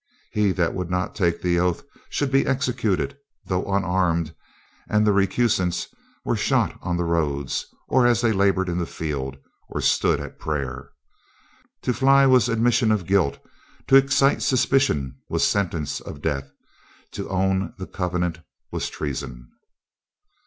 He that would not take the oath should be executed, though unarmed, and the recusants were shot on the roads, or as they labored in the field, or stood at prayer. To fly was admission of guilt; to excite suspicion was sentence of death; to own the covenant was treason.